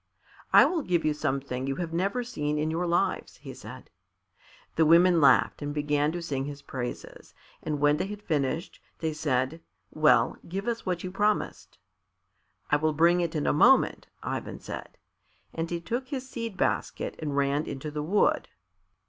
"I will give you something you have never seen in your lives," he said. The women laughed and began to sing his praises, and when they had finished, they said, "Well, give us what you promised." "I will bring it in a moment," Ivan said, and he took his seed basket and ran into the wood.